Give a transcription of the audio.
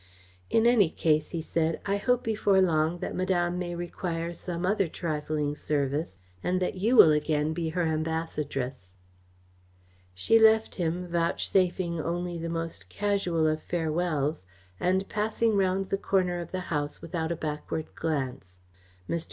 "In any case," he said, "I hope before long that Madame may require some other trifling service and that you will again be her ambassadress." She left him, vouchsafing only the most casual of farewells, and passing round the corner of the house without a backward glance. Mr.